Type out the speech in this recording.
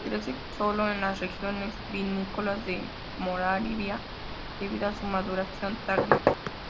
Crece solo en las regiones vinícolas de Moravia debido a su maduración tardía.